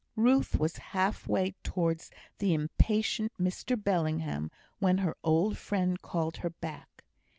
Ruth was half way towards the impatient Mr Bellingham when her old friend called her back.